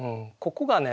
ここがね